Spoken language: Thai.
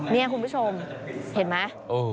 เนี่ยคุณผู้ชมเห็นมั้ย